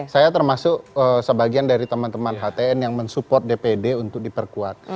saya termasuk sebagian dari teman teman htn yang mensupport dpd untuk diperkuat